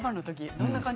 どんな感じ？